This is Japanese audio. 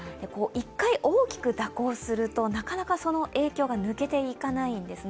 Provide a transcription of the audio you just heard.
１回、大きく蛇行すると、なかなかその影響が抜けていかないんです。